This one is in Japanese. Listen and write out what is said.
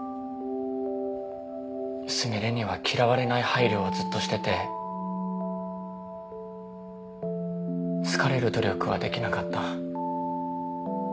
純恋には嫌われない配慮をずっとしてて好かれる努力はできなかった。